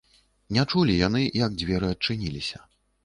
Не чулі яны, як дзверы адчыніліся.